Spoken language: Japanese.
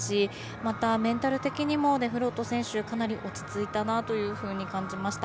また、メンタル的にもデフロート選手かなり落ち着いたなと感じました。